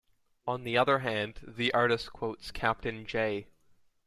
On the other hand, the artist quotes Captain J.